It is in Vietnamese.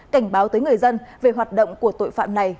cảnh báo tới người dân về hoạt động của tội phạm này